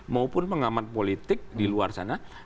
maupun pengamat politik di luar sana